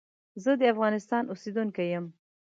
زه دافغانستان اوسیدونکی یم.